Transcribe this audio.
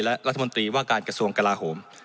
และรัฐมนตรีว่าการกระทรวงกลาโหม